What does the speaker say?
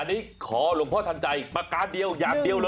อันนี้ขอหลวงพ่อทันใจประการเดียวอย่างเดียวเลย